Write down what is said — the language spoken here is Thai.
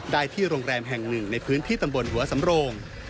ได้ที่โรงแรมแห่งหนึ่งในพื้นที่ตำบลหัวสำโรง